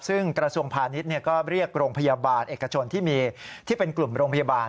ซึ่งกระทรวงพาณิชย์ก็เรียกโรงพยาบาลเอกชนที่มีที่เป็นกลุ่มโรงพยาบาล